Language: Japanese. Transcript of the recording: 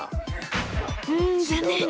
［うん残念！